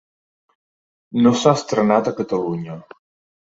No s'ha estrenat a Catalunya.